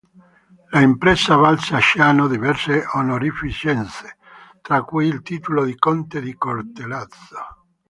L'impresa valse a Ciano diverse onorificenze, tra cui il titolo di conte di Cortellazzo.